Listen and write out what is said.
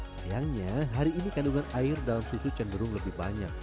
sayangnya hari ini kandungan air dalam susu cenderung lebih banyak